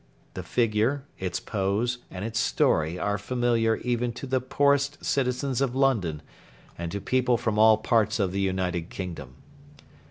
The figure, its pose, and its story are familiar even to the poorest citizens of London and to people from all parts of the United Kingdom.